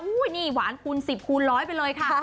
อู้ยนี่หวานคูณ๑๐คูณ๑๐๐ไปเลยค่ะ